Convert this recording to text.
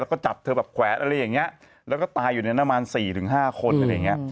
แล้วก็จับเธอแบบแขวนอะไรอย่างนี้แล้วก็ตายอยู่ในประมาณ๔๕คนอะไรอย่างเงี้ย